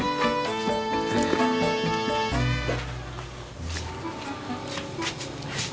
di depan kau